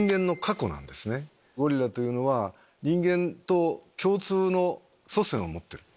ゴリラというのは人間と共通の祖先を持ってる。